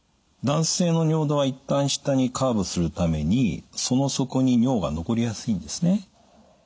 男性の尿道は一旦下にカーブするためにその底に尿が残りやすいんですね。